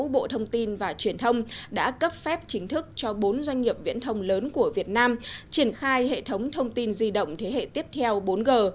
bộ thông tin và truyền thông đã cấp phép chính thức cho bốn doanh nghiệp viễn thông lớn của việt nam triển khai hệ thống thông tin di động thế hệ tiếp theo bốn g